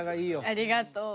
ありがとう。